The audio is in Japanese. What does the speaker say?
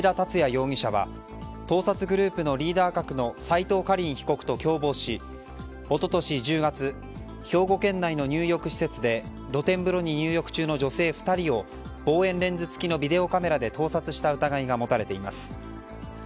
容疑者は盗撮グループのリーダー格の斉藤果林被告と共謀し一昨年１０月兵庫県内の入浴施設で露天風呂に入浴中の女性２人を望遠レンズ付きのビデオカメラで盗撮した疑いが持たれています。